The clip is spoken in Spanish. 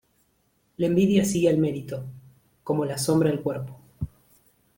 La envidia sigue al mérito, como la sombra al cuerpo.